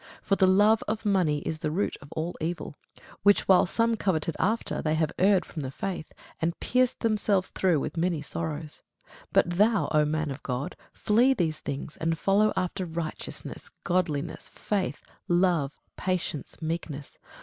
For the love of money is the root of all evil: which while some coveted after, they have erred from the faith, and pierced themselves through with many sorrows. But thou, O man of God, flee these things; and follow after righteousness, godliness, faith, love, patience, meekness.